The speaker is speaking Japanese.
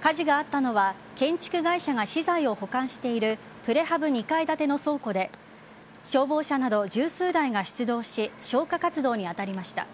火事があったのは建築会社が資材を保管しているプレハブ２階建ての倉庫で消防車など十数台が出動し消火活動に当たりました。